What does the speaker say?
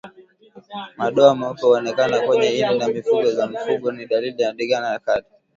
Madoa meupe huonekana kwenye ini na figo za mfugo ni dalili ya Ndigana Kali